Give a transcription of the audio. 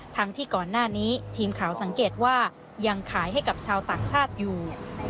ทั้งที่ก่อนหน้านี้ทีมข่าวสังเกตว่ายังขายให้กับชาวต่างชาติอยู่